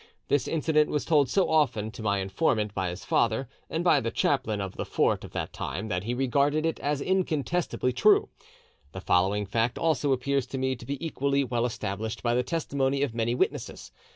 This incident was told so often to my informant by his father and by the chaplain of the fort of that time that he regarded it as incontestably true. The following fact also appears to me to be equally well established by the testimony of many witnesses.